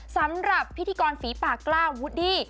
สำหรับพิธีกรฝีปากกล้าวูดดี้